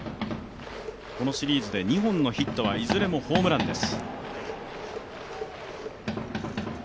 このシリーズで２本のヒットはいずれもホームランです。